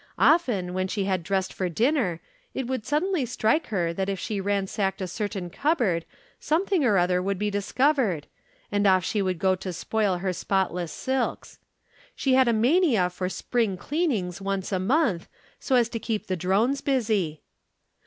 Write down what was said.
Often, when she had dressed for dinner, it would suddenly strike her that if she ransacked a certain cupboard something or other would be discovered, and off she would go to spoil her spotless silks. She had a mania for 'Spring cleanings' once a month, so as to keep the drones busy.